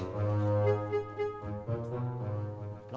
ada apaan uji